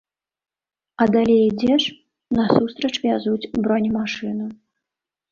А далей ідзеш, насустрач вязуць бронемашыну.